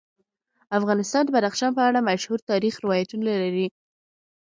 افغانستان د بدخشان په اړه مشهور تاریخی روایتونه لري.